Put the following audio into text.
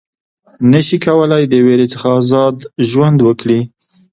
نه شي کولای د وېرې څخه آزاد ژوند وکړي.